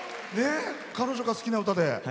彼女が好きな歌で。